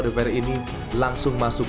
deveri ini langsung masuk